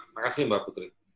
makasih mbak putri